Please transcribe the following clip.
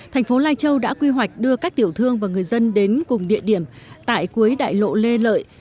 thành phố lai châu đã quy hoạch đưa các tiểu thương và người dân đến cùng địa điểm tại cuối đại lộ lê lợi